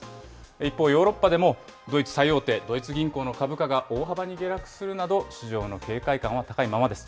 一方、ヨーロッパでもドイツ最大手、ドイツ銀行の株価が大幅に下落するなど、市場の警戒感は高いままです。